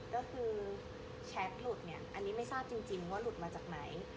ก็คือแชทหลุดเนี่ยอันนี้ไม่ทราบจริงว่าหลุดมาจากไหน